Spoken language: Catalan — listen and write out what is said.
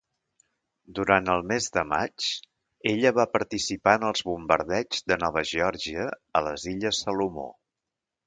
Durant el mes de maig ella va participar en els bombardeigs de Nova Geòrgia a les illes Salomó.